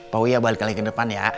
pak wia balik lagi ke depan ya